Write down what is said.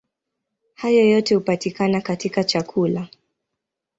Hayo yote hupatikana katika chakula.